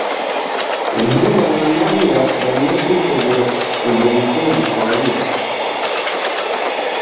Zuba na Mariya barimo kwitegura kujya mu kwezi kwa buki.